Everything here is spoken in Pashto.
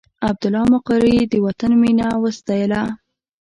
عبدالله مقري د وطن مینه وستایله.